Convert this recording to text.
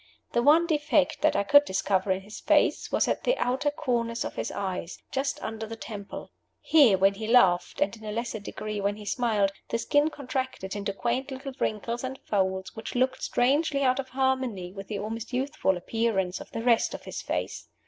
The one defect that I could discover in his face was at the outer corners of his eyes, just under the temple. Here when he laughed, and in a lesser degree when he smiled, the skin contracted into quaint little wrinkles and folds, which looked strangely out of harmony with the almost youthful appearance of the rest of his face.